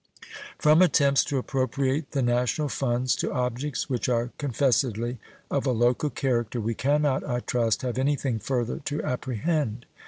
From attempts to appropriate the national funds to objects which are confessedly of a local character we can not, I trust, have anything further to apprehend.